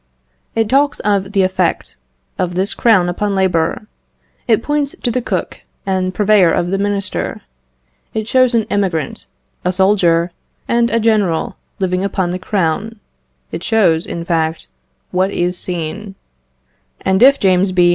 It talks of the effect of this crown upon labour; it points to the cook and purveyor of the Minister; it shows an emigrant, a soldier, and a general, living upon the crown; it shows, in fact, what is seen, and if James B.